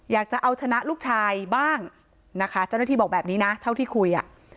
อยากจะเอาชนะลูกชายบ้างนะคะเจ้าหน้าที่บอกแบบนี้นะเท่าที่คุยอ่ะ